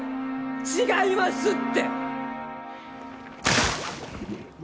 違いますって！